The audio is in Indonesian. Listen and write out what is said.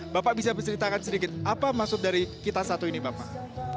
bapak bisa berceritakan sedikit apa maksud dari kita satu ini bapak